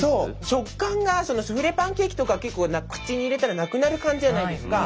食感がスフレパンケーキとかは結構口に入れたらなくなる感じじゃないですか。